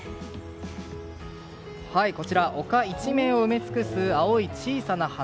こちら、丘一面を埋め尽くす青い小さな花。